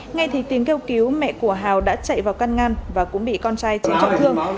ngay thì tiếng kêu cứu mẹ của hào đã chạy vào căn ngăn và cũng bị con trai chém trọng thương